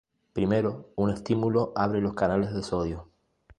Primero, un estímulo abre los canales de sodio.